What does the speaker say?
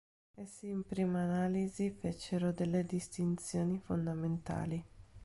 Essi in prima analisi fecero delle distinzioni fondamentali.